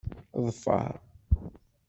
Ḍfer.